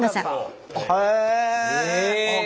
へえ。